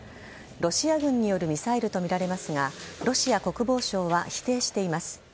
ロシア軍によるミサイルとみられますがロシア国防省は否定しています。